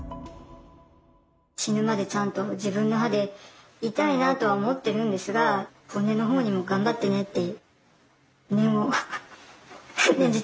死ぬまでちゃんと自分の歯でいたいなとは思ってるんですが骨の方にも頑張ってねって念をフフッ念じてます。